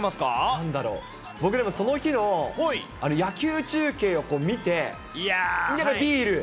なんだろう、僕、でもその日の野球中継を見て、ビール。